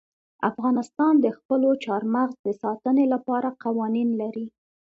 افغانستان د خپلو چار مغز د ساتنې لپاره قوانین لري.